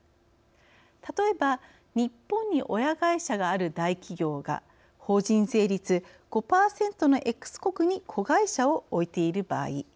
例えば日本に親会社がある大企業が法人税率５％のＸ国に子会社を置いている場合。